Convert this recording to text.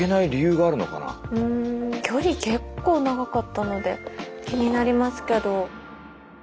距離結構長かったので気になりますけど。